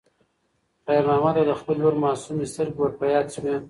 خیر محمد ته د خپلې لور معصومې سترګې ور په یاد شوې.